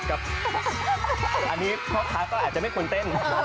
อันนี้เข้าค้าก็แอบจะไม่คุ้นเต้น